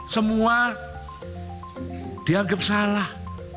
semua dianggap salah